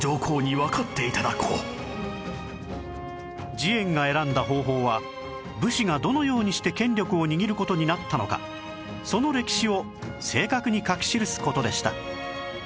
慈円が選んだ方法は武士がどのようにして権力を握る事になったのかその歴史を正確に書き記す事でした